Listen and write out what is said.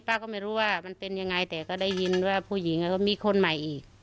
ป้าก็ไม่รู้ว่ามันเป็นยังไงแต่ก็ได้ยินว่าผู้หญิงก็มีคนใหม่อีก